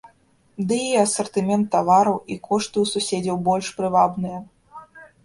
Ды і асартымент тавараў і кошты ў суседзяў больш прывабныя.